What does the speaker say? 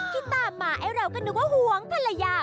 ที่ตามมาไอ้เราก็นึกว่าหวงภรรยา